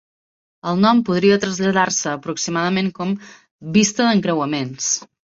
El nom podia traslladar-se aproximadament com "vista d'encreuaments".